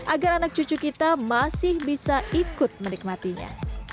agar anak cucu kita masih bisa ikut menikmatinya